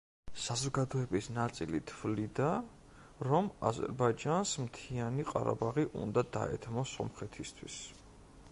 საზოგადოების ნაწილი თვლიდა, რომ აზერბაიჯანს მთიანი ყარაბაღი უნდა დაეთმო სომხეთისთვის.